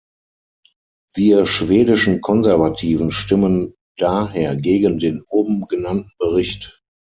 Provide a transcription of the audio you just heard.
Wir schwedischen Konservativen stimmen daher gegen den oben genannten Bericht.